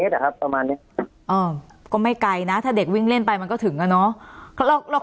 อะครับประมาณนี้ก็ไม่ไกลนะถ้าเด็กวิ่งเล่นไปมันก็ถึงอะเนาะ